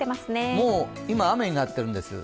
もう今雨になっているんです。